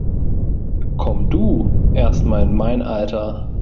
Komm du erstmal in mein Alter!